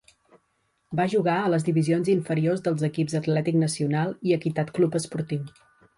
Va jugar a les divisions inferiors dels equips Atlètic Nacional i Equitat Club Esportiu.